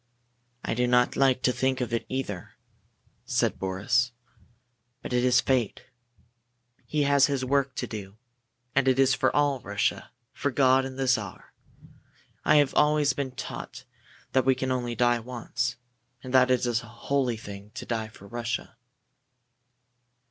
"I do not like to think of it, either," said Boris, "but it is fate. He has his work to do, and it is all for Russia for God and the Czar! I have always been taught that we can die only once, and that it is a holy thing to die for Russia."